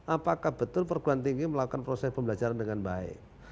apakah betul perguruan tinggi melakukan proses pembelajaran dengan baik